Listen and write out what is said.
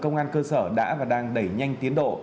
công an cơ sở đã và đang đẩy nhanh tiến độ